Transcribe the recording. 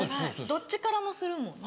どっちからもするもんね。